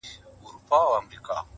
یو د بل په وینو پايي او پړسېږي!.